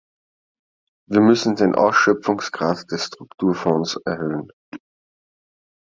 Wir müssen den Ausschöpfungsgrad des Strukturfonds erhöhen.